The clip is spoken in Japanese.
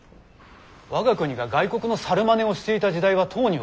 我が国が外国の猿まねをしていた時代はとうに終わった。